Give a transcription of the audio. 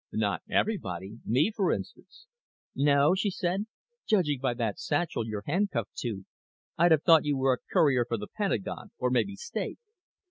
"Not everybody. Me, for instance." "No?" she said. "Judging by that satchel you're handcuffed to, I'd have thought you were a courier for the Pentagon. Or maybe State."